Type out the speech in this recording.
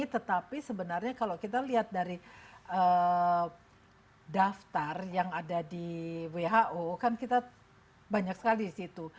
tetapi sebenarnya kalau kita lihat dari daftar yang ada di who kan kita banyak sekali di situ